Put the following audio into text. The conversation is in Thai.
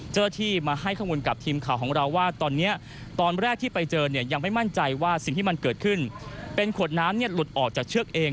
เจ้าหน้าที่มาให้ข้อมูลกับทีมข่าวของเราว่าตอนนี้ตอนแรกที่ไปเจอเนี่ยยังไม่มั่นใจว่าสิ่งที่มันเกิดขึ้นเป็นขวดน้ำหลุดออกจากเชือกเอง